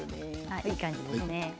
いい感じですね。